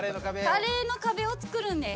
カレーの壁を作るんです。